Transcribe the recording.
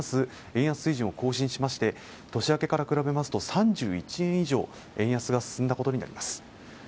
円安水準を更新しまして年明けから比べますと３１円以上円安が進んだことになります